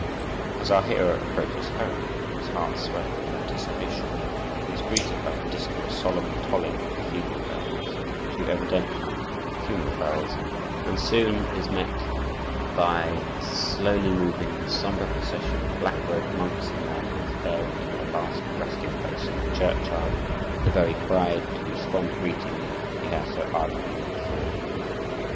As our hero approaches home, his heart swelling with anticipation, he is greeted by the distant, solemn tolling of cathedral bells, too evidently funeral bells, and soon is met by a slowly moving, somber procession of black robed monks and mourners, bearing to her last resting place in the church yard the very bride to whose fond greeting he has so ardently looked forward.